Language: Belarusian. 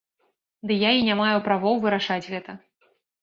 Ды я і не маю правоў вырашаць гэта.